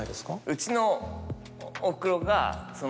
うちの。